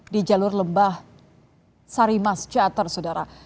di jalur lembah sarimas jatarsubang saudara